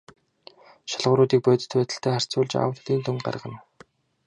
Шалгууруудыг бодит байдалтай харьцуулж аудитын дүнг гаргана.